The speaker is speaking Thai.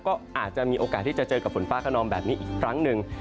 ก็อาจจะมีโอกาสที่จะเจอกับฝนฟ้าขนองแบบนี้อีกครั้งหนึ่ง